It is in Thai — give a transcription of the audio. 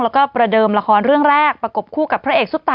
แล้วก็ประเดิมละครเรื่องแรกประกบคู่กับพระเอกซุปตา